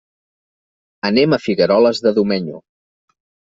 Anem a Figueroles de Domenyo.